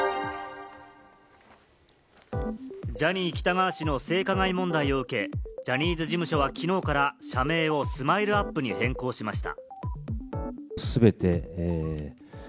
ジャニー喜多川氏の性加害問題を受け、ジャニーズ事務所はきのうから社名をＳＭＩＬＥ‐ＵＰ．に変更しました。